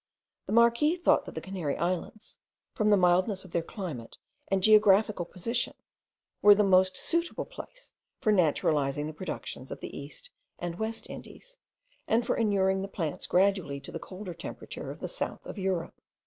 The marquis thought that the Canary Islands, from the mildness of their climate and geographical position, were the most suitable place for naturalising the productions of the East and West Indies, and for inuring the plants gradually to the colder temperature of the south of Europe.